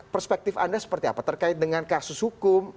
perspektif anda seperti apa terkait dengan kasus hukum